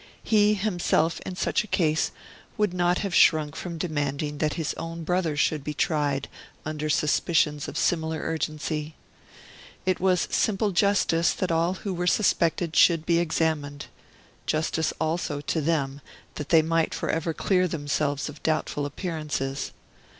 He himself in such a case would not have shrunk from demanding that his own brother should be tried, under suspicions of similar urgency. It was simple justice that all who were suspected should be examined; justice also to them that they might for ever clear themselves of doubtful appearances.